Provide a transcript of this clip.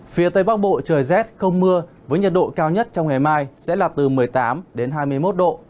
phía tây bắc bộ trời rét không mưa với nhiệt độ cao nhất trong ngày mai sẽ là từ một mươi tám đến hai mươi một độ